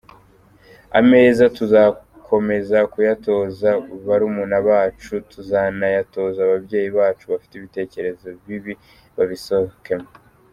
Ameza tuzakomeza kuyatoza barumuna bacu tuzanayatoza ababyeyi bacu bafite ibitekerezo bibi babisohokemo”.